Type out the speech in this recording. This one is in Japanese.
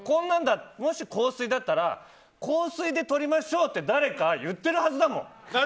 もし硬水だったら硬水でとりましょうって誰か言ってるはずだもん。